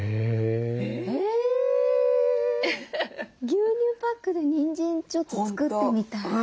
牛乳パックでにんじんちょっと作ってみたい。